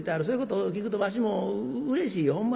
そういうことを聞くとわしもうれしいよ。